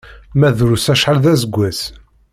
Ma drus acḥal d aseggas.